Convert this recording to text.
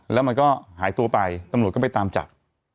แล้วมันก็หายตัวไปตำรวจก็ไปตามจับ